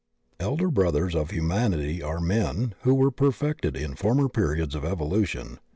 The Elder Brothers of Humanity are men who were perfected in former periods of evolution.